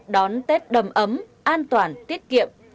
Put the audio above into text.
đón tết đầm ấm an toàn tiết kiệm